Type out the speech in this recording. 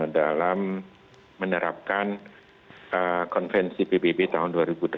dalam menerapkan konvensi pbb tahun dua ribu delapan belas